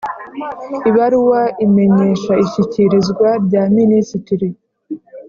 ibaruwa imenyesha ishyikirizwa rya Minisitiri